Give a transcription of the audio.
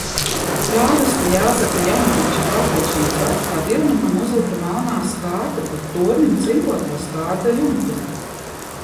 Prāvesta Jāzepa Janoviča kalpošanas laikā dievnamam uzlika melnā skārda, bet tornim cinkotā skārda jumtu.